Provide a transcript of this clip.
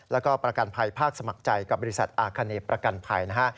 แล้วก็ประกันภัยภาคสมัครใจกับบริษัทอาคเนประกันภัยนะฮะ